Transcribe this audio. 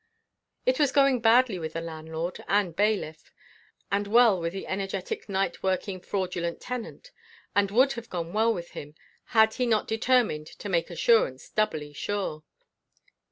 It was going badly with the landlord and bailiff, and well with the energetic, night working, fraudulent tenant; and would have gone well with him, had he not determined to make assurance doubly sure.